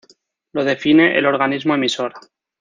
Lo define el organismo emisor.